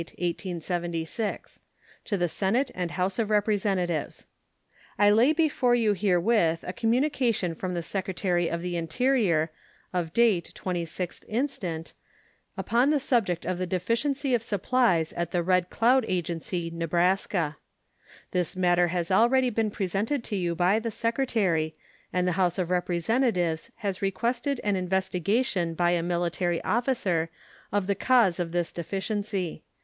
To the Senate and House of Representatives: I lay before you herewith a communication from the Secretary of the Interior, of date 26th instant, upon the subject of the deficiency of supplies at the Red Cloud Agency, Nebr. This matter has already been presented to you by the Secretary, and the House of Representatives has requested an investigation by a military officer of the cause of this deficiency.